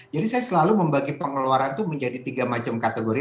jadi saya selalu membagi pengeluaran itu menjadi tiga macam kategori